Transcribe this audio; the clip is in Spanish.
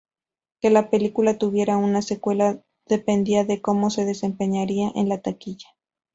Que la película tuviera una secuela dependía de cómo se desempeñaría en la taquilla.